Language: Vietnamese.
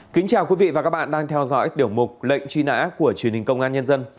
kính chào quý vị và các bạn đang theo dõi tiểu mục lệnh truy nã của truyền hình công an nhân dân